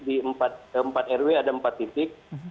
di empat rw ada empat titik